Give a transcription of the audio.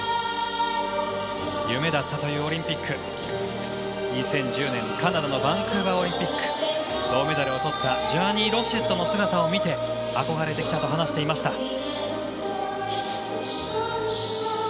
夢だったというオリンピック２０１０年カナダのバンクーバーオリンピックで銅メダルを取った選手の姿を見て憧れていたと話してきました。